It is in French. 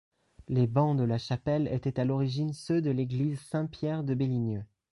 Les bancs de la chapelle étaient à l'origine ceux de l'église Saint-Pierre de Béligneux.